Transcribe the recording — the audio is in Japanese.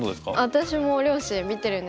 私も両親見てるんですけど。